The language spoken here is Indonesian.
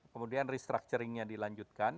kemudian restructuringnya dilanjutkan